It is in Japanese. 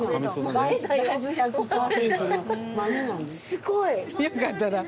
すごい！よかったら味。